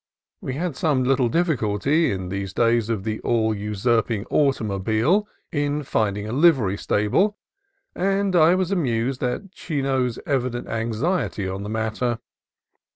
We had some little difficulty, in these days of the all usurping automobile, in finding a livery stable, and I was amused at Chino's evident anxiety on the matter.